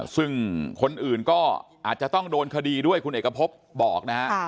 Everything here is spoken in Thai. ซึ่งคนอื่นก็อาจจะต้องโดนคดีด้วยคุณเอกพบบอกนะฮะ